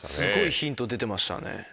すごいヒント出てましたね。